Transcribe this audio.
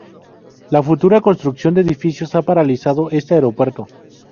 La futura construcción de edificios ha paralizado este aeropuerto.